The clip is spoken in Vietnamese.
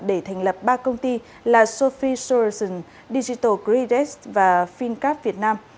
để thành lập ba công ty là sophie sorsen digital gridx và fincap việt nam